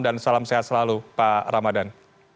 dan salam sehat selalu pak ramadhan